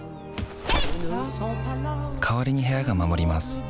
代わりに部屋が守ります